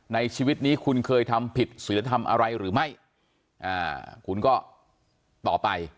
ในชีวิตนี้คุณเคยทำผิดศิลธรรมอะไรหรือไม่อ่าคุณก็ต่อไป